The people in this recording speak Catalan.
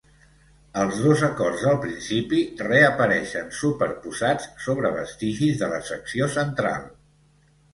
Els dos acords del principi reapareixen, superposats sobre vestigis de la secció central.